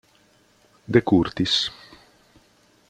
De Curtis